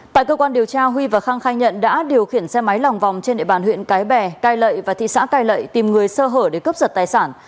tại cơ quan điều tra huy và khang khai nhận đã điều khiển xe máy lòng vòng trên địa bàn huyện cái bè cai lậy và thị xã cai lậy tìm người sơ hở để cướp giật tài sản